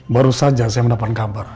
baru saja saya mendapat kabar